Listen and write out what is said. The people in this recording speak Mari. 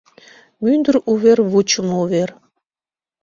Мӱндыр увер — вучымо увер...